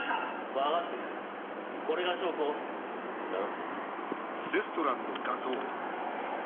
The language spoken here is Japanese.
分かってるこれが証拠だろ？